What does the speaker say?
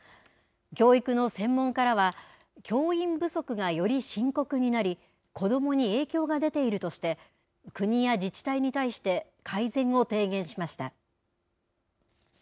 教育の専門家らは、教員不足がより深刻になり、子どもに影響が出ているとして、国や自治体に対して改善を提言しました。